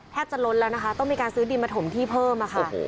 แทบจะลไลน์ต้องมีการซื้อดินมาโถมที่เพิ่ม